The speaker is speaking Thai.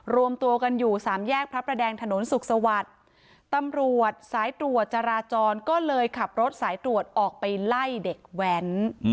รวมตัวกันอยู่สามแยกพระประแดงถนนสุขสวัสดิ์ตำรวจสายตรวจจราจรก็เลยขับรถสายตรวจออกไปไล่เด็กแว้น